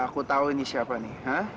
ku tau siapa ini